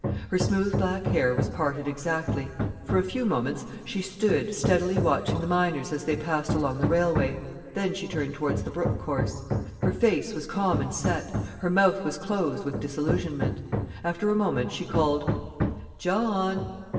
Her smooth black hair was parted exactly. For a few moments she stood steadily watching the miners as they passed along the railway: then she turned towards the brook course. Her face was calm and set, her mouth was closed with disillusionment. After a moment she called: "John!"